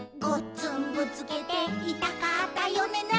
「ごっつんぶつけていたかったよね」